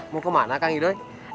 mau kemana kak hidoy